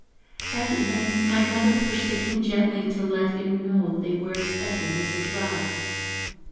At length my mother pushed the King gently to let him know they were expecting his reply.